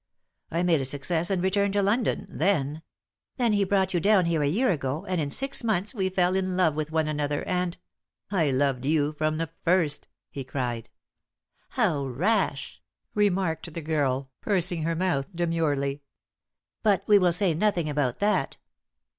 I made a success and returned to London; then " "Then he brought you down here a year ago, and in six months we fell in love with one another, and " "I loved you from the first," he cried. "How rash!" remarked the girl, pursing her mouth demurely. "But we will say nothing about that.